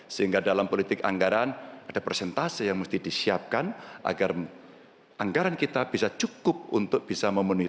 sehingga dalam politik anggaran ada presentasi yang mesti disiapkan agar anggaran kita bisa cukup untuk bisa memenuhi